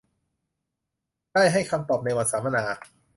ได้ให้คำตอบในวันสัมมนา